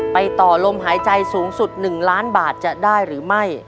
ต่อลมหายใจสูงสุด๑ล้านบาทจะได้หรือไม่